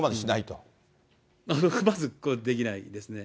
まず、これ、できないですね。